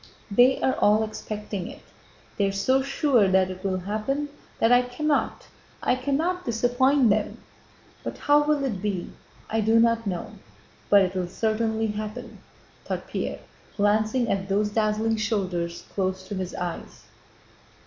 They are all expecting it, they are so sure that it will happen that I cannot, I cannot, disappoint them. But how will it be? I do not know, but it will certainly happen!" thought Pierre, glancing at those dazzling shoulders close to his eyes.